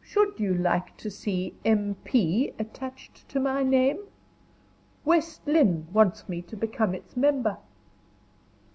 "Should you like to see M. P. attached to my name? West Lynne wants me to become its member."